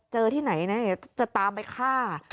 เจอที่ไหนจะตามไปฆ่า